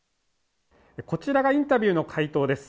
こちらがインタビューの回答です